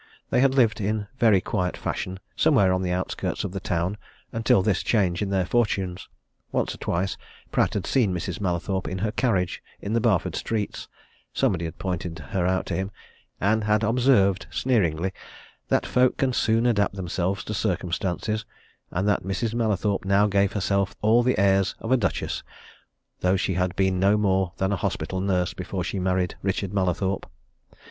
They had lived in very quiet fashion, somewhere on the outskirts of the town, until this change in their fortunes. Once or twice Pratt had seen Mrs. Mallathorpe in her carriage in the Barford streets somebody had pointed her out to him, and had observed sneeringly that folk can soon adapt themselves to circumstances, and that Mrs. Mallathorpe now gave herself all the airs of a duchess, though she had been no more than a hospital nurse before she married Richard Mallathorpe.